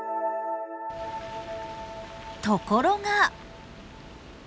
ところが。